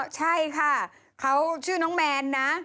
ใช่ค่ะเขาชื่อน้องแมนนะ